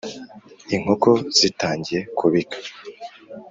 inkoko zitangiye kubika